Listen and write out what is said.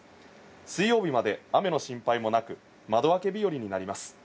水曜日まで雨の心配もなく窓開け日和になります。